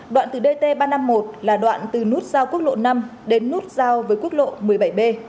đoạn từ dt ba trăm năm mươi một là đoạn từ nút giao quốc lộ năm đến nút giao với quốc lộ một mươi bảy b